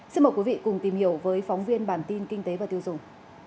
xin mời quý vị cùng tìm hiểu với phóng viên bản tin kinh tế và tiêu dùng